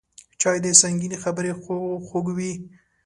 چای د سنګینې خبرې خوږوي